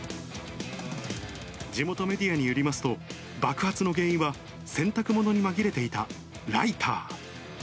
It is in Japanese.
地元メディアによりますと、爆発の原因は、洗濯物に紛れていたライター。